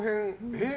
えっ？